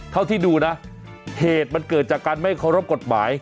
เท่าที่ดูนะเหตุมันเกิดจากการไม่เคารพกฎหมาย